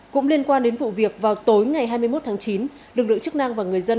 cũng liên quan đến vụ việc vào tối ngày hai mươi một tháng chín lực lượng chức năng và người dân